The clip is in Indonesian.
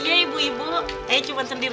terima kasih pak